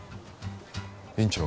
院長